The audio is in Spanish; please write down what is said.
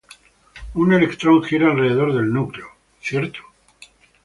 Un electrón gira alrededor del núcleo, ¿verdad?